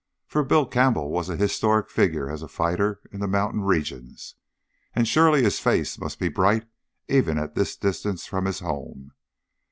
For Bill Campbell was a historic figure as a fighter in the mountain regions, and surely his face must be bright even at this distance from his home.